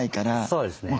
そうですね。